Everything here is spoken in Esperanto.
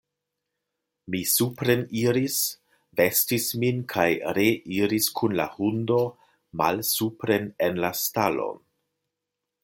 Mi supreniris, vestis min kaj reiris kun la hundo malsupren en la stalon.